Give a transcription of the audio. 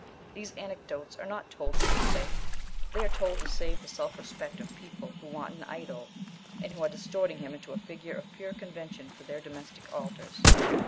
These anecdotes are not told for his sake; they are told to save the self respect of people who want an idol, and who are distorting him into a figure of pure convention for their domestic altars.